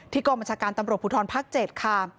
ที่กรมจาการตำรวจผู้ทรพัก๗ค่ะ